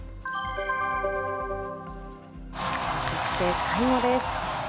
そして最後です。